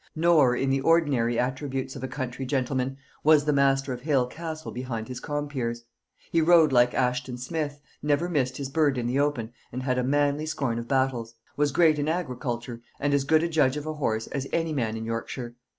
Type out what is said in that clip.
Nor, in the ordinary attributes of a country gentleman, was the master of Hale Castle behind his compeers. He rode like Assheton Smith, never missed his bird in the open, and had a manly scorn of battues; was great in agriculture, and as good a judge of a horse as any man in Yorkshire.